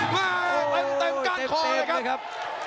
มาเต็มก้านคอเลยครับ